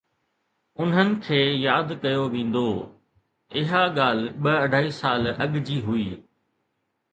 انهن کي ياد ڪيو ويندو! اها ڳالهه ٻه اڍائي سال اڳ جي هئي.